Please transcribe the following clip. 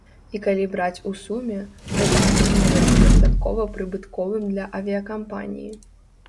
І калі браць у суме, гэта атрымліваецца дастаткова прыбытковым для авіякампаніі.